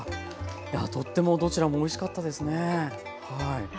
いやとってもどちらもおいしかったですね。